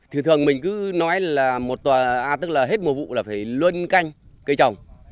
thường thường mình cứ nói là hết mùa vụ là phải luân canh cây trồng